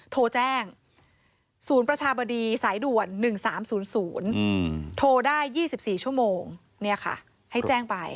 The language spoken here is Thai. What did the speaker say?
โทรแจ้งศูนย์ประชาบดีสายด่วน๑๓๐๐โทรได้๒๔ชั่วโมงเนี่ยค่ะให้แจ้งไป